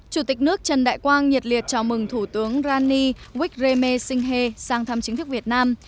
chủ tịch nước trần đại quang nhiệt liệt chào mừng thủ tướng rani wikreme singhe sang thăm chính thức việt nam